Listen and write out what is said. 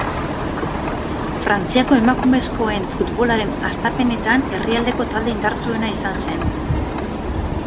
Frantziako emakumezkoen futbolaren hastapenetan herrialdeko talde indartsuena izan zen.